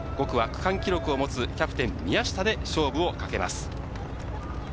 ５区は区間記録を持つキャプテン・宮下で勝負をかけます。